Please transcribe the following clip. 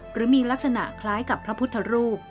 หรือมีลักษณะคล้ายกับพระพุทธรูป